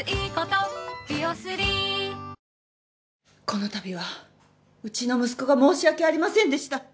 このたびはうちの息子が申し訳ありませんでした。